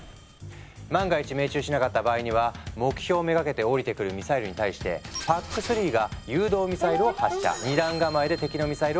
万が一命中しなかった場合には目標めがけて降りてくるミサイルに対してＰＡＣ３が誘導ミサイルを発射。